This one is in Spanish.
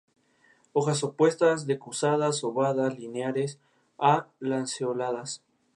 Hojas opuestas, decusadas, ovadas, lineares a lanceoladas.